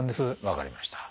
分かりました。